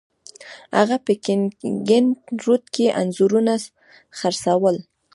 هغه په کینینګټن روډ کې انځورونه خرڅول.